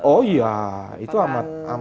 oh ya itu amat